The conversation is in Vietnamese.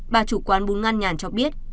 bà chủ quán bún ngăn nhàn cho biết